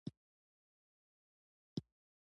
د افغانیت پر بحث کول یوازې د وخت ضایع ده.